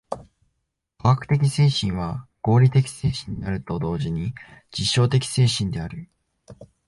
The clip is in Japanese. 科学的精神は合理的精神であると同時に実証的精神である。